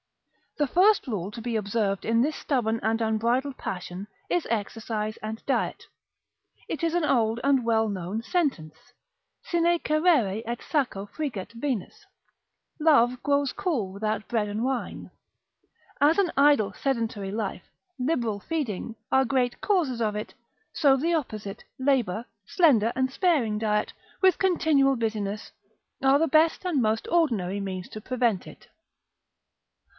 The first rule to be observed in this stubborn and unbridled passion, is exercise and diet. It is an old and well known, sentence, Sine Cerere et Saccho friget Venus (love grows cool without bread and wine). As an idle sedentary life, liberal feeding, are great causes of it, so the opposite, labour, slender and sparing diet, with continual business, are the best and most ordinary means to prevent it.